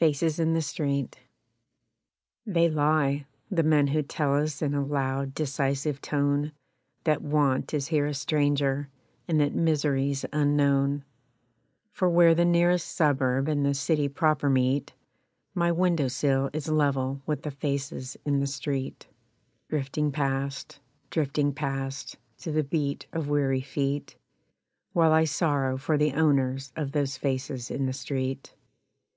Faces in the Street They lie, the men who tell us in a loud decisive tone That want is here a stranger, and that misery's unknown; For where the nearest suburb and the city proper meet My window sill is level with the faces in the street Drifting past, drifting past, To the beat of weary feet While I sorrow for the owners of those faces in the street.